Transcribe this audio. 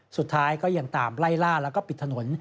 สุดท้ายก็ยังตามไล่ล่าแล้วก็ปิดถนน